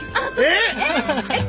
えっ！